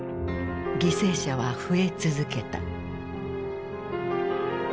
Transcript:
犠牲者は増え続けた。